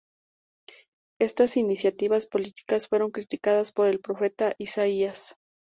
Estas iniciativas políticas fueron criticadas por el profeta Isaías.